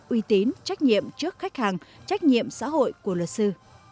uy tín trách nhiệm trước khách hàng trách nhiệm xã hội của luật sư